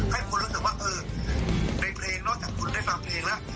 ให้คนรู้สึกว่าเออในเพลงนอกจากคุณได้ฟังเพลงแล้ว